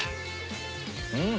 うん！